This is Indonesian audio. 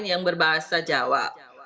yang berbahasa jawa